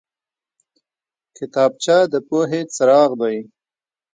کتابچه د پوهې څراغ دی